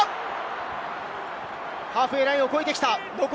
ハーフウェイラインを超えてきた。